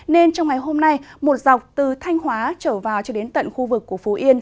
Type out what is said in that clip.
nên trong ngày hôm nay một dọc từ thanh hóa trở vào cho đến tận khu vực của phú yên